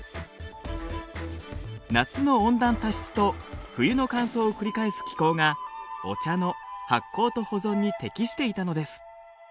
夏の温暖多湿と冬の乾燥を繰り返す気候がお茶の発酵と保存に適していたのです。